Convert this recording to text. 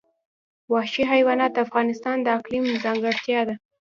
وحشي حیوانات د افغانستان د اقلیم ځانګړتیا ده.